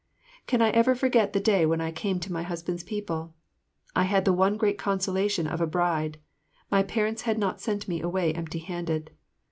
Can I ever forget that day when I came to my husband's people? I had the one great consolation of a bride, my parents had not sent me away empty handed.